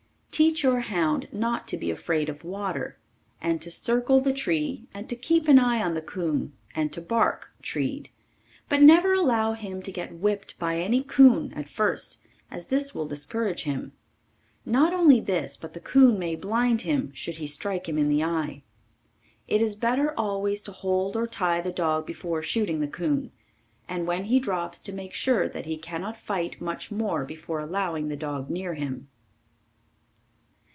Teach your hound not to be afraid of water, and to circle the tree and to keep an eye on the coon and to bark treed, but never allow him to get whipped by any coon at first as this will discourage him. Not only this, but the coon may blind him should he strike him in the eye. It is better always to hold or tie the dog before shooting the coon, and when he drops to make sure that he cannot fight much more before allowing the dog near him.